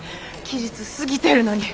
期日過ぎてるのに。